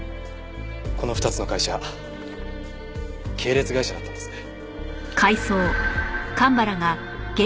この２つの会社系列会社だったんですね。